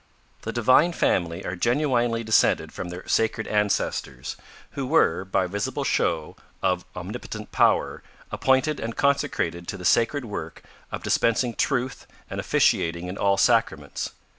The Divine Family are genuinely descended from their sacred ancestors who were, by a visible show of omnipotent power, appointed and consecrated to the sacred work of dispensing truth and officiating in all sacraments.